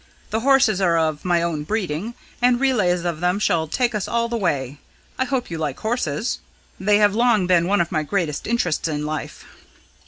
The horses are of my own breeding, and relays of them shall take us all the way. I hope you like horses? They have long been one of my greatest interests in life."